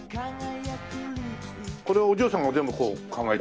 これお嬢さんが全部これ考えて。